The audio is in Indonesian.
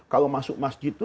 kalau masuk masjid itu